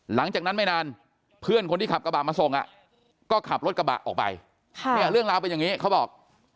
หลังจากนั้นไม่นานเพื่อนคนที่ขับกระบะมาส่งก็ขับรถกระบะออกไปเนี่ยเรื่องราวเป็นอย่างนี้เขาบอก